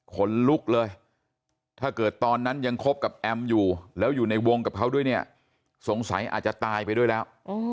ขนลุกเลยถ้าเกิดตอนนั้นยังคบกับแอมอยู่แล้วอยู่ในวงกับเขาด้วยเนี่ยสงสัยอาจจะตายไปด้วยแล้ว